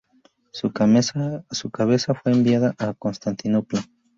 Su cabeza fue enviada a Constantinopla.